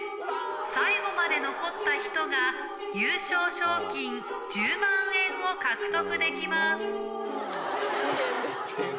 最後まで残った人が、優勝賞金１０万円を獲得できます。